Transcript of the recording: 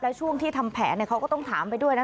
แล้วช่วงที่ทำแผนเขาก็ต้องถามไปด้วยนะ